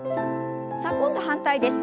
さあ今度反対です。